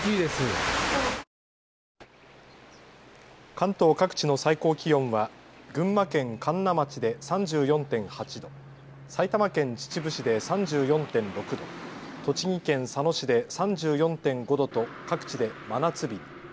関東各地の最高気温は群馬県神流町で３４．８度、埼玉県秩父市で３４．６度、栃木県佐野市で３４．５度と各地で真夏日に。